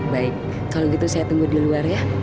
baik kalau gitu saya tunggu di luar ya